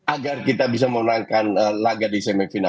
agar kita bisa memenangkan laga di semifinal